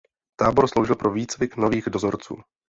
Tábor sloužil pro výcvik nových dozorců.